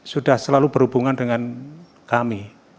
sudah selalu berhubungan dengan kami